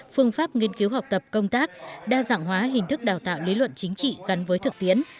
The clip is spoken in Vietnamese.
phương pháp nghiên cứu học tập công tác đa dạng hóa hình thức đào tạo lý luận chính trị gắn với thực tiễn